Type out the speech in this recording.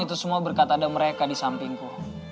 itu semua berkata ada mereka di sampingku